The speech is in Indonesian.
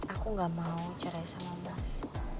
aku enggak mau cerai sama mas